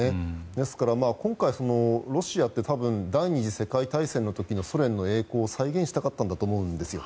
ですから今回ロシアって多分第２次世界大戦の時のソ連の栄光を再現したかったんだと思うんですよ。